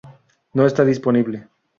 No está disponible.